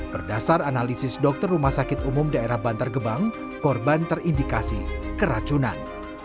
berdasar analisis dokter rumah sakit umum daerah bantar gebang korban terindikasi keracunan